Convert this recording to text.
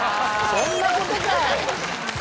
・そんなことかい！